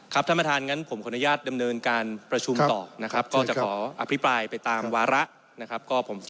ก็จะขออภิปรายไปตามวาระนะครับ